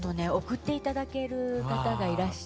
送って頂ける方がいらして。